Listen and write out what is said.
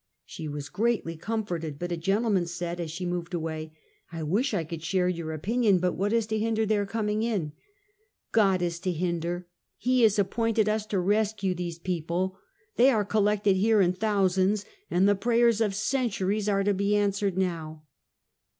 She was greatly comforted; but a gentleman said, as she moved away: " I wish I could share your opinion; but what is to hinder their coming in ?"" God is to hinder! He has appointed us to rescue these people. They are collected here in thousands, and the prayers of centuries are to be answered now!